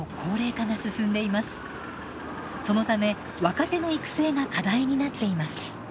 そのため若手の育成が課題になっています。